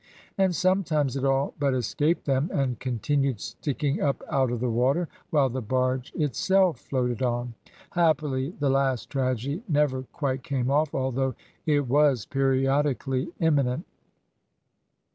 And sometimes it all but escaped them, and continued sticking up out of the water while the barge itself floated on. Happily, the last tragedy never quite came off, although it was periodically imminent.